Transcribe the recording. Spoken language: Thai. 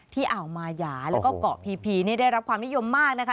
ที่อ่าวมาหยาและก็เกาะผีนี้ได้รับความนิยมมากนะคะ